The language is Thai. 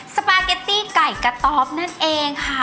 สปาเกตตี้ไก่กระต๊อบนั่นเองค่ะ